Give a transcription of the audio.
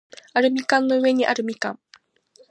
アルミ缶の上にあるみかん